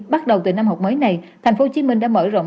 bắt đầu từ năm học mới này tp hcm đã mở rộng